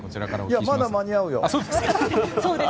まだ間に合うよ。